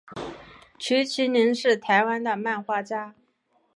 徐麒麟是台湾的漫画家。